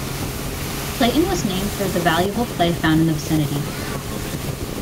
Clayton was named for the valuable clay found in the vicinity.